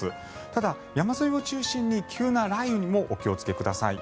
ただ、山沿いを中心に急な雷雨にもお気をつけください。